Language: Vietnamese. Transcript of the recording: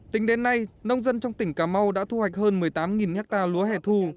tính đến nay nông dân trong tỉnh cà mau đã thu hoạch hơn một mươi tám hectare lúa hay thù